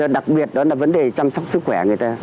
đặc biệt đó là vấn đề chăm sóc sức khỏe người ta